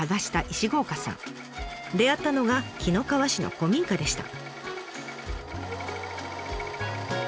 出会ったのが紀の川市の古民家でした。